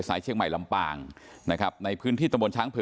เชียงใหม่ลำปางนะครับในพื้นที่ตะบนช้างเผ